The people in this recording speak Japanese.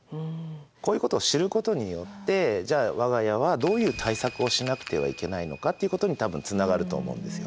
こういうことを知ることによってじゃあ我が家はどういう対策をしなくてはいけないのかっていうことに多分つながると思うんですよ。